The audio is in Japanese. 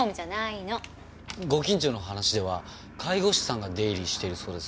ご近所の話では介護士さんが出入りしているそうですが。